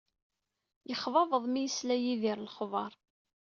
Yexbabeḍ mi yesla yir lexbaṛ!